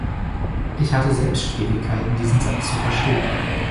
Ich hatte selbst Schwierigkeiten, diesen Satz zu verstehen.